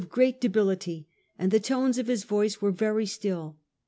301 great debility, and tbe tones of bis voice were very still.